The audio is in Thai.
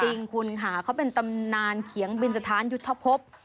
จริงคุณค่ะเขาเป็นตำนานเขียงบินสถานยุทธภพ